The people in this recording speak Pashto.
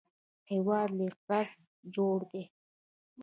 هېواد له احساس جوړ دی